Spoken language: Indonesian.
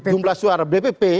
jumlah suara bpp